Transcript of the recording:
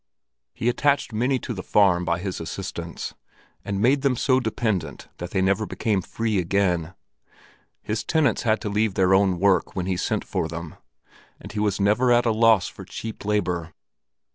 He attached many to the farm by his assistance, and made them so dependent that they never became free again. His tenants had to leave their own work when he sent for them, and he was never at a loss for cheap labor.